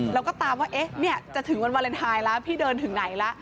แล้วก็ตามว่าจะถึงวันวาเลนไทยแล้วพี่เดินถึงไหนละ